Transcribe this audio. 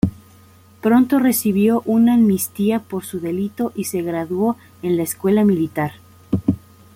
Pronto recibió una amnistía por su delito y se graduó en la Escuela Militar.